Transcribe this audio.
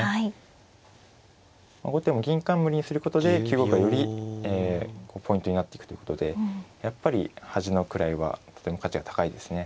後手も銀冠にすることで９五歩がよりポイントになっていくということでやっぱり端の位はとても価値が高いですね。